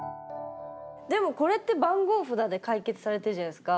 でもこれって番号札で解決されてるじゃないですか。